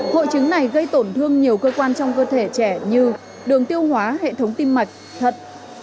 hội chứng này gây tổn thương nhiều cơ quan trong cơ thể trẻ như đường tiêu hóa hệ thống tim mạch thận